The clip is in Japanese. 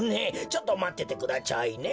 ちょっとまっててくだちゃいね。